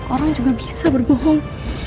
orang juga bisa berbohong